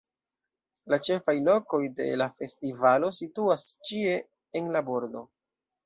La ĉefaj lokoj de la festivalo situas ĉie en la urbo.